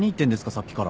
さっきから。